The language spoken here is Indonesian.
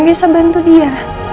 yang bisa bantu dia